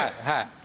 はい。